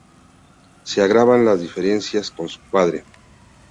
Se agravan las diferencias con su padre.